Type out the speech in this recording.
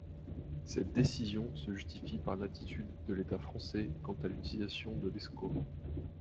Cette décision se justifie par l’attitude de l’état français quant à l’utilisation de l’Escaut.